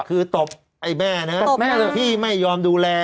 คือตบไอ้แม่นะพี่ไม่ยอมดูแล